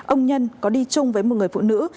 ông nhân có đi chung với một người phụ nữ